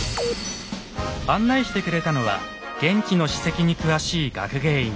案内してくれたのは現地の史跡に詳しい学芸員